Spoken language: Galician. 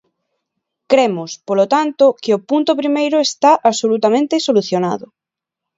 Cremos, polo tanto, que o punto primeiro está absolutamente solucionado.